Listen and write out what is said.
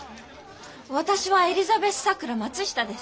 私はエリザベス・さくら・松下です。